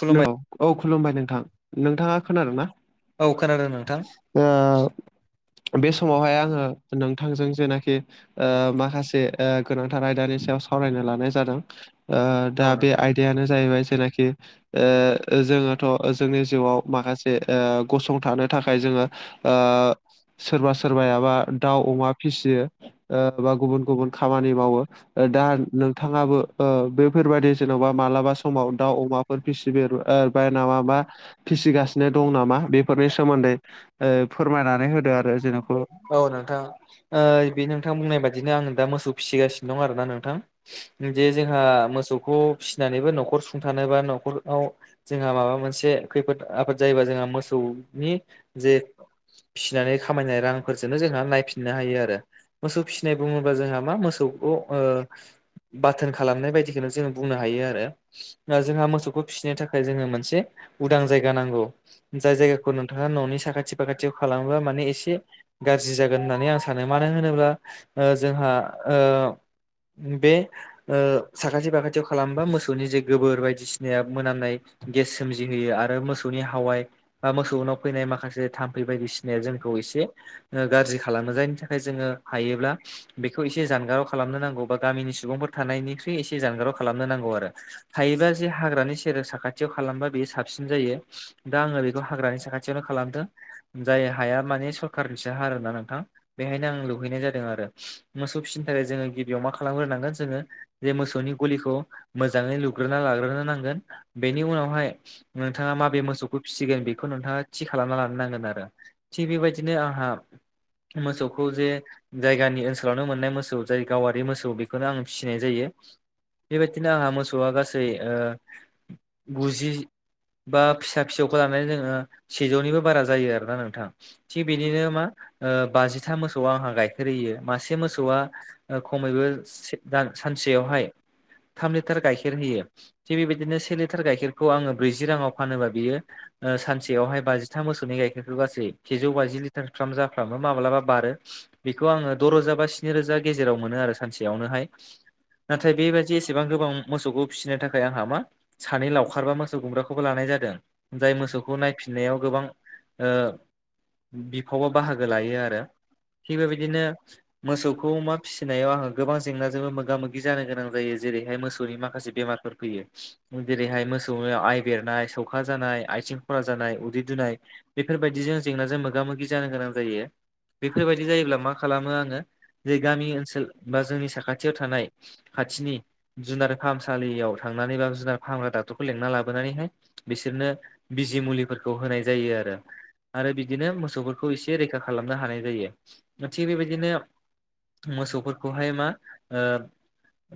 खुलुमबाय नोंगौ औ खुलुमबाय नोंथां नोंथाङा खोनादों ना औ खोनादों नोंथां ओ बे समावहाय आङो नोंथांजों जेनाखि ओ माखासे ओ गोनांथार आयदानि सायाव सावरायनो लानाय जादों ओ औ दा बे नोंथां आयदायानो जाहैबाय जेनाखि जोंथ' जोंनि जिउआव माखासे ओ गसंथानो थाखाय जोङो ओ सोरबा सोरबायाबा दाउ अमा फिसियो ओ बा गुबुन गुबुन खामानि मावो दा नोंथाङाबो ओ बेफोरबायादि जेन'बा मालाबा समाव दाउ अमाफोर फिसिबाय आरो ओ बा नामा बा फिसिगासिनो दं नामा बेफोरनि सोमोन्दै ओ फोरमायनानै होदो आरो जेन'खौ औ नोंथां बे ओ नोंथां बुंनाय बादिनो आंनो दा मोसौ फिसिगासिनो दं आर ना नोंथां जे जोंहा मोसौखौ फिसिनानैबो न'खर सुंथानो बा न'खराव जोंहा माबा मोनसे खैफोद आफोद जायोबा जोंहा मोसौनि जे फिसिनानै खामायनाय रां फोरजोंनो जोंहा नायफिननो हायो आरो मोसौ फिसिनाय बुङोबा जोंहा मा मोसौखौ ओ बाथोन खालामनाय बायदिखौनो जों बुंनो हायो आरो जोंहा मोसौखौ फिसिनो थाखाय जोङो मोनसे उदां जायगा नांगौ जाय जायगाखौ नोंथाङा न'नि साखाथि फाखाथियाव खालामोबा माने एसे गाज्रि जागोन होननानै आं सानो मानो होनोब्ला ओ जोंहा ओ बे ओ साखाथि फाखाथियाव खालामोबा मोसौनि जे गोबोर बायदिसिनाया मोनामनाय गेस सोमजिहोयो आरो मोसौनि हावाय बा मोसौनाव फैनाय माखासे थाम्फै बायदिसिनाया जोंखौ एसे ओ गाज्रि खालामो। जायनि थाखाय जोङो हायोब्ला बेखौ एसे जानगाराव खालामनो नांगौ बा गामिनि सुबुंफोर थानायनिख्रुइ एसे जानगाराव खालामनो नांगौ आरो। थायोबा जे हाग्रानि सेर साखाथियाव खालामबा बेयो साबसिन जायो। दा आङो बेखौ हाग्रानि साखा थियावनो खालामदों जाय हाया माने सरखारनिसो हा आरोना नोंथां। बेहायनो आं लुहैनाय जादों आरो। मोसौ फिसिनो थाखाय जोङो गिबियाव मा खालामग्रोनांगोन जोङो जे मोसौनि गलिखौ मोजाङै लुग्रोना लाग्रोनो नांगोन। बेनि उनावहाय नोंथाङा माबे मोसौखौ फिसिगोन बेखौ नोंथाङा थि खालामना लानो नांगोन आरो। थिग बेबायदिनो आंहा मोसौखौ जे जायगानि ओनसोलावनो मोननाय मोसौ जाय गावारि मोसौ बेखौनो आं फिसिनाय जायो। बेबायदिनो आंहा मोसौआ गासै ओ गुजि बा फिसा फिसौखौ लानानै जोङो सेजौनिबो बारा जायो आरोना नोंथां। थिग बिदिनो मा ओ बाजिथा मोसौआ आंहा गाइखेर होयो। मासे मोसौआ ओ खमैबो सेदान सानसेयावहाय थाम लिटार गाइखेर होयो। थिग बेबायदिनो सेलिटार गाइखेरखौ आङो ब्रैजि राङाव फानोबा बियो ओ सानसेयावहाय बाजिथाम मोसौनि गाइखेरखौ गासै सेजौ बाजि लिटार फ्राम जाफ्रामबो माब्लाबा बारो। बेखौ आङो द' रोजा बा स्नि रोजा गेजेराव मोनो आरो सानसेयावनोहाय। नाथाय बेबादि एसेबां गोबां मोसौखौ फिसिनो थाखाय आंहा मा सानै लावखारबा मोसौ गुमग्राखौबो लानाय जादों। जाय मोसौखौ नायफिननायाव गोबां ओ बिफावा बाहागो लायो आरो। थिग बेबायदिनो मोसौखौ मा फिसि नायाव आङो गोबां जेंनाजोंबो मोगा मोगि जानो गोनां जायो जेरैहाय मोसौनि माखासे बेमारफोर फैयो। जेरैहाय मोसौ आइ बेरनाय, सौखा जानाय, आथिं खरा जानाय, उदै दुनाय बेफोरबायदिजों जेंनाजों मोगा मोगि जानो गोनां जायो। बेफोरबायदि जायोब्ला मा खालामो आङो जे गामि ओनसोल बा जोंनि साखाथियाव थानाय खाथिनि जुनार फाहामसालियाव थांनानै बा जुनार फाहामग्रा डाक्टरखौ लेंना लाबोनानैहाय बिसोरनो बिजि मुलिफोरखौ होनाय जायो आर। ो आरो बिदिनो मोसौफोर खौ एसे रैखा खालामनो हानाय जायो। थिग बेबायदिनो मोसौफोरखौहाय मा ओ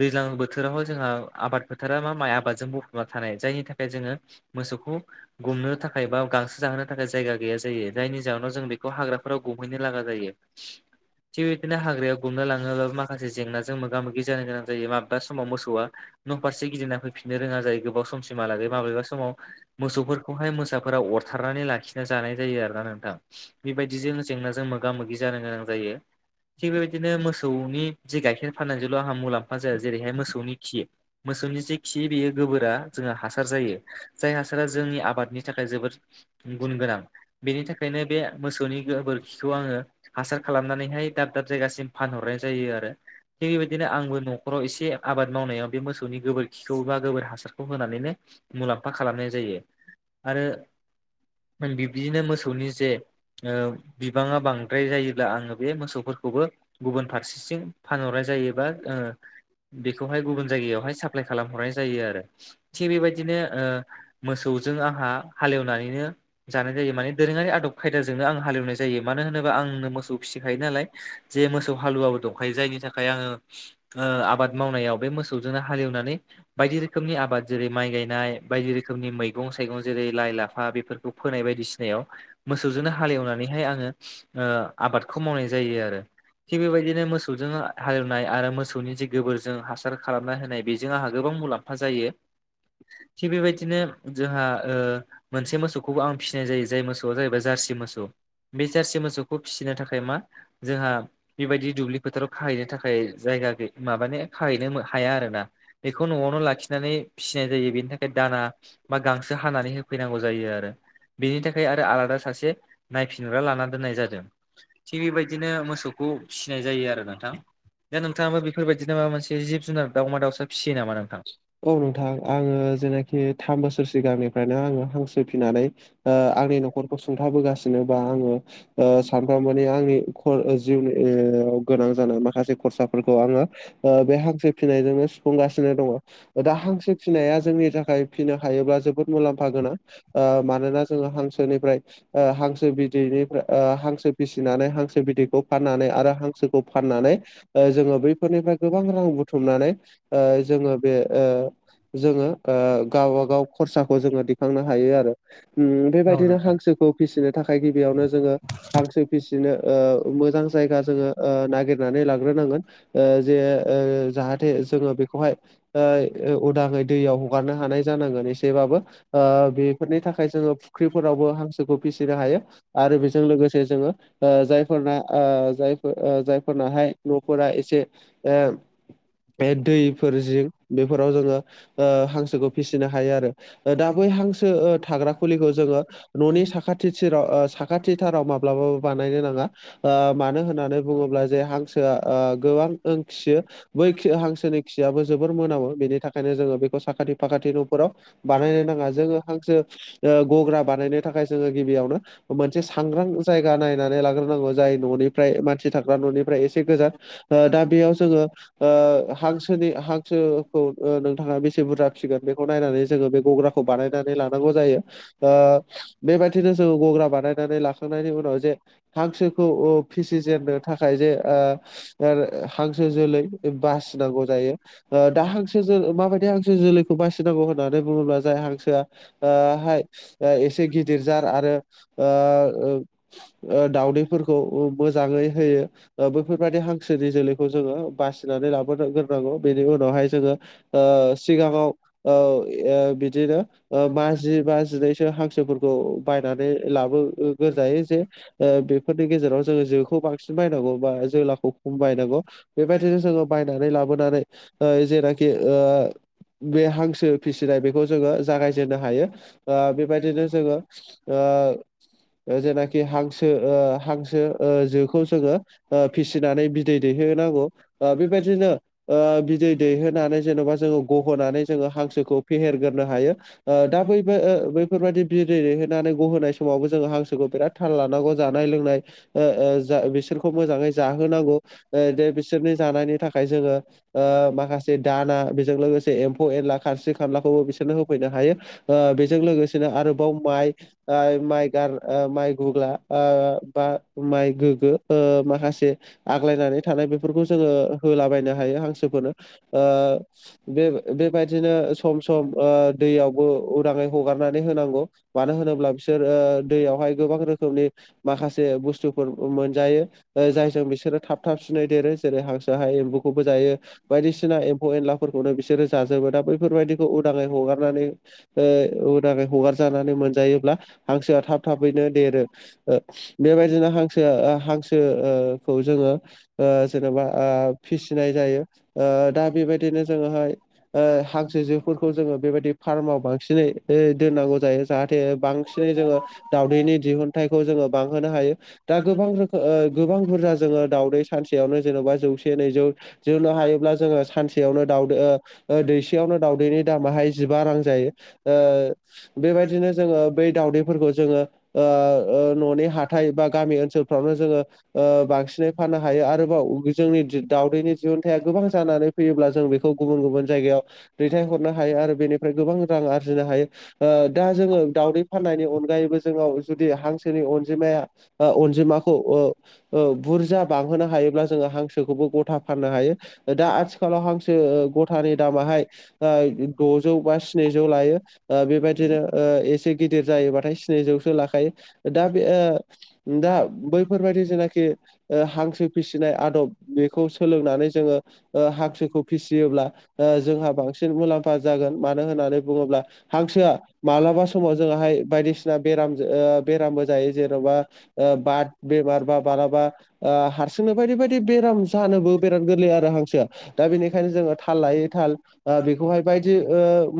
दैज्लां बोथोराव जोंहा आबाद फोथारा मा माइ आबादजों बुंफबना थानाय जायनि थाखाय जोङो मोसौखौ गुमनो थाखाय बा गांसो जाहोनो थाखाय जायगा गैया जायो। जायनि जाउनाव जों बेखौ हाग्राफोराव गुमहैनो लागा जायो। थिग बिदिनो हाग्रायाव गुमना लाङोबा माखासे जेंनाजों मोगा मोगि जानो गोनां जायो माबेबा समाव मोसौआ न' फारसे गिदिंना फैफिननो रोङा जायो गोबाव सम सिमालागै माबेबा समाव मोसौफोरखौहाय मोसाफोरा अरथारनानै लाखिना जानाय जायो आरोना नोंथां। बेबायदिजों जेंनाजों मोगा मोगि जानो गोनां जायो। थिग बेबायदिनो मोसौनि जि गाइखेर फाननायजोंल' आंहा मुलाम्फा जाया जेरैहाय मोसौनि खि, मोसौनि जे खि बेयो गोबोरा जोंहा हासार जायो। जाय हासारा जोंनि आबादनि थाखाय जोबोद उम गुन गोनां। बेनि थाखायनो बे मोसौनि गोबोरखिखौ आङो हासार खालामनानैहाय दाब दाब जायगासिम फानहरनाय जायो आरो। थिग बेबायदिनो आंबो न' खराव एसे आबाद मावनायाव बे मोसौनि गोबोरखिखौ बा गोबोर हासारखौ होनानैनो मुलाम्फा खालामनाय जायो। आरो बिब्दिनो मोसौनि जे ओ बिबाङा बांद्राय जायोब्ला आङो बे मोसौफोरखौबो गुबुन फारसेथिं फानहरनाय जायो बा ओ बेखौहाय गुबुन जायगायावहाय साप्लाय खालामहरनाय जायो आरो। थिग बेबायदिनो ओ मोसौजों आंहा हालेवनानैनो जानाय जायो माने दोरोङारि आदब खायदाजोंनो आं हालेवनाय जायो। मानो होनोबा आंनो मोसौ फिसिखायो नालाय जे मोसौ हालुवाबो दंखायो जायनि था खाय आङो आबाद मावनायाव बे मोसौजोंनो हालेवनानै बायदि रोखोमनि आबाद जेरै माइ गायनाय बायदि रोखोमनि मैगं साइगं जेरै लाइ लाफा बेफोर खौ फोनाय बायदिसिनायाव मोसौजोंनो हालेवनानैहाय आङो ओ आबादखौ मावनाय जायो आरो। थिग बेबायदिनो मोसौजों हालेवनाय आरो मोसौनि जि गोबोरजों हासार खालामना होनाय बेजों आंहा गोबां मुलाम फा जायो। थिग बेबायदिनो जोंहा ओ मोनसे मोसौखौबो आं फिसिनाय जायो जाय मोसौ मोसौआ जाहैबाय जारसि मोसौ बे जारसि मोसौखौ फिसिनो थाखाय मा जोंहा बेबायदि दुब्लि फोथाराव खाहैनो थाखाय जायगा गै माबानो खाहैनो हाया आरो ना। इखौ न'आवनो लाखिनानै फिसिनाय जायो बेनि थाखाय दाना बा गांसो हानानै होफैनांगौ जायो आरो बेनि थाखाय आ आलादा सासे नायफिनग्रा लाना दोननाय जादों। थिग बेबायदिनो मोसौखौ फिनाय जायो आरो नोंथां। दा नोंथाङाबो बेफोरबायदिनो माबा मोनसे जिब जुनार दाउमा दाउसा फिसियो नामा नोंथां? औ नोंथां आङो जेनाखि थाम बोसोर सिगांनिफ्रायनो आङो हांसो फिनानै ओ आंनि न'खरखौ सुंथाबोगासिनो बा आङो ओ सानफ्रामबोनि आंनि खर जिउनि ओ गोनां जानाय माखासे खरसाफोरखौ आङो ओ बे हांसो फिनायजोंनो सुफुंगासिनो दङ दा हांसो फिनाया जोंनि थाखाय फिनो हायोब्ला जोबोद मुलाम्फा गोनां ओ मानोना जोङो हांसोनिफ्राय ओ हांसो बिदैनिफ्रा ओ हांसो फिसिनानै हांसो बिदैखौ फाननानै आरो हांसोखौ फाननानै ओ जोङो बैफोरनिफ्राय गोबां रां बुथुमनानै ओ जोङो बे ओ जोङो ओ गावबागाव खरसाखौ जोङो दिखांनो हायो आरो। उम औ बेबायदिनो नोंथां हांसोखौ फिसिनो थाखाय गिबियावनो जोङो हांसो फिसिनो ओ मोजां जायगा जोङो ओ नागिरनानै लाग्रोनांगोन। ओ जे ओ जाहाथे जोङो बेखौहाय ओ उदाङै दैयाव हगारनो हानाय जानांगोन एसेबाबो। ओ बेफोरनि थाखाय जोङो फुख्रिफोरावबो हांसोखौ फिसिनो हायो। आरो बेजों लोगोसे जोङो ओ जायफोरना ओ जायफोर जायफोरनाहाय न'फोरा एसे ओ बे दैफोर जिं बेफोराव जोङो ओ हांसोखौ फिसिनो हायो आरो। ओ दा बै हांसो ओ थाग्रा खुलिखौ जोङो न'नि साखाथि थिराव ओ साखाथि थाराव माब्लाबाबो बानायनो नाङा। ओ मानो होननानै बुङोब्ला जे हांसोआ ओ गोबां ओंखियो बै खि हांसोनि खियाबो जोबोर मोनामो बेनि थाखायनो जोङो बेखौ साखाथि फाखाथि न' फोराव बानायनो नाङा जोङो हांसो ओ गग्रा बानायनो थाखाय जोङो गिबियावनो मोनसे सांग्रां जायगा नायनानै लाग्रोनांगौ जाय न'निफ्राय मानसि थाग्रा न'निफ्राय एसे गोजान ओ दा बेयाव जोङो ओ हांस सोनि हांसोखौ ओ नोंथाङा बेसे बुरजा फिगोन बेखौ नायनानै जोङो बे गग्रा खौ बानायनानै लानांगौ जायो ओ बेबायदिनो जोङो गग्रा बानायनानै लाखांनायनि उनाव जे हांसोखौ ओ फिसिजेननो थाखाय जे ओ हांसो जोलै बासिनांगौ दायो ओ दा हांसो जो माबायदि हांसो जोलैखौ बासिनांगौ होननानै बुङोब्ला जाय हांसोआ ओ हाय एसे गिदिरजार आरो ओ ओ दाउदैफोरखौ मोजाङै होयो। ओ बैफोरबायदि हांसोनि जोलैखौ जोङो बासिनानै लाबोनांगोन। बेनि उनावहाय जोङो ओ सिगाङाव ओ ए बिदिनो मा जि बा जिनैसो हांसोफोरखौ बायनानै लाबो गोरजायो जे ओ बेफोरनि गेजेराव जोङो जोखौ बांसिन बायनांगौ बा जोलाखौ खम बायनांगौ। बेबायदिनो जोङो बायनानै लाबोनानै ओ जेनाखि ओ बे हांसो फिसिनाय बेखौ जोङो जागायजेननो हायो ओ बेबायदिनो जोङो ओ जेनाखि हांसो ओ हांसो ओ जोखौ जोङो ओ फिसिनानै बिदै दैहोनांगौ ओ बेबायदिनो ओ बिदै दैहोनानै जेन'बा जोङो गहोनानै जोङो हांसोखौ फेहेरग्रोनो हायो। ओ दा बै बैफोरबाददि बिदै दैहोनानै गहोनाय समावबो जोङो हांसोखौ बिराद थाल लानांगौ जानाय लोंनाय ओ ओ जा बिसोरखौ मोजाङै जाहोनांगौ ओ दा बिसोरनि जानायनि थाखाय जोङो ओ माखासे दाना बेजों लोगोसे एम्फौ एनला खारस्रि खामलाखौबो बिसोरनो होफैनो हायो। ओ बेजों लोगोसेनो आरोबाव माइ ओ माइ गार ओ माइ गुग्ला ओ बा माइ गोग्गो ओ माखासे आग्लायनानै थानाय बेफोरखौ जोङो होलाबायनो हायो हांसोफोरनो ओ बे बेबायदिनो सम सम ओ दैयावबो उदाङै हगारनानै होनांगौ। मानो होनोब्ला बिसोर ओ दैयावहाय गोबां रोखोमनि माखासे बुस्थुफोर मोनजायो। ओ जायजों बिसोरो थाब थाब सिनै देरो जेरै हांसो हाय एम्बुखौबो जायो। बायदिसिना एम्फौ एनलाफोरखौनो बिसोरो जाजोबो दा बैफोरबायदिखौ उदाङै हगारनानै ओ उदाङै हगारजानानै मोनजायोब्ला हांसोआ थाब थाबैनो देरो। बेबायदिनो हांसो हांसोखौ जोङो ओ जेनेबा ओ फिसिनाय जायो। ओ दा बेबायदिनो जोङोहाय ओ हांसो हांसो जोफोरखौ जोङो बेबायदि फार्माव बांसिनै दोननांगौ जायो जाहाथे बांसिन जेरै जोङो दावदैनि दिहुनथाइखौ जोङो बांहोनो हायो। दा गोबां रोखोम ओ गोबां बुरजा जोङो दावदै सानसेयावनो जेन'बा जौसे नैजौ दिहुनननो हायोब्ला जोङो सानसेयावनो दाउदै ओ ओ दैसेयावनो दाउदैनि दामाहाय जिबा रां जायो ओ बेबायदिनो जोङो बै दाउदैफोरखौ जोङो ओ ओ न'नि हाथाय बा गामि ओनसोलफ्रावनो जोङो ओ बांसिनै फाननो हायो आरोबाव जोंनि दावदैनि‌ दिहुनथाया गोबां जानानै फैयोब्ला जों बेखौ गुबुन गुबुन जायगायाव दैथायहरनो हायो आरो बेनिफ्राय गोबां रां आरजिनो हायो। दा जोङो दाउदै फाननायनि अनगायैबो जोंनाव जुदि हांसोनि अनजिमाया अनजिमाखौ बुरजा बांहोनो हायोब्ला जोङो हांसोखौबो गथा फाननो हायो दा आथिखालाव हांसो गथानि दामाहाय द'जौ बा स्निजौ लायो। ओ बेबायदिनो ओ एसे गिदिर जायोबाथाय स्निजौसो लाखायो दा बे ओ दा बैफोरबायाददि जेनाखि हांसो फिसिनाय आदब बेखौ सो सोलोंनानै जोङो हांसोखौ फिसियोब्ला जोंहा बांसिन मुलाम्फा जागोन मानो होननानै बुङोब्ला हांसोआ माब्लाबा समाव जोंहाय बायदिसिना बेराम बेरामबो जायो जेन'बा बाद बेमार बा मालाबा हारसिंनो बायदि बायदि बेराम जानोबो बिराद गोरलै आरो हांसोआ दा बेनिखायनो जोङो थाल लायै थाल बेखौहाय बायदि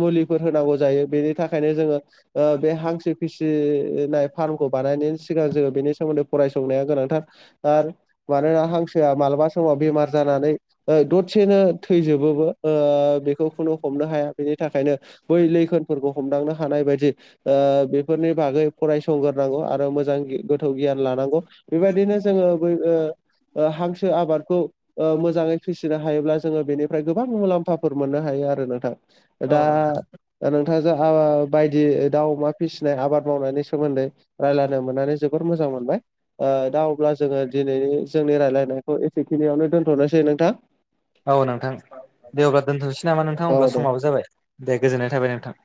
मुलिफोर होनांगौ जायो बेनि थाखायनो जोङो बे हांसो फिसिनाय फार्मखौ बानायनायनि सिगां जोङो बेनि सोमोन्दै फरायसंनाया गोनांथार। आरो मानोना हांसोआ मालाबा समाव बेमार जानानै दसेनो थैजोबोबो बेखौ खुनु हमनो हाया बेनि थाखायनो बै लैखोनफोरखौ हमदांनो हानाय बायदि बेफोरनि बागै फरायसंगोरोनांगौ आरो मोजां गोथौ गियान लानांगौ। बेबायदिनो जोङो बै ओ ओ हांसो आबादखौ मोजाङै फिसिनो हायोब्ला जोङो बेनिफ्राय गोबां मुलाम्फाफोर मोननो हायो आरो नोंथां। दा नोंथाङा जा बायदि दाउ अमा फिसिनाय आबाद मावनायनि सोमोन्दै रायज्लायनो मोननानै जोबद मोजां मोनबाय। ओ दा अब्ला जोङो दिनै जोंनि रायलायनायखौ एसेखिनियावनो दोनथ'नोसै नोंथां औ नोंथां दे अब्ला दोनथ'नोसै नामा नोंथां औ अब्ला दे समाबो जाबाय दे गोजोननाय थाबाय नोंथां।